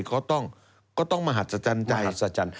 ก็ต้องมหัศจรรย์ใจ